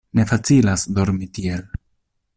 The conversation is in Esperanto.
Ne facilas dormi tiel.